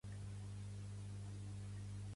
Pertany al moviment independentista l'Ivana?